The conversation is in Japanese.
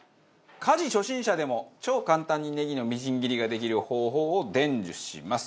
家事初心者でも超簡単にねぎのみじん切りができる方法を伝授します。